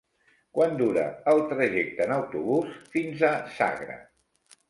Quant dura el trajecte en autobús fins a Sagra?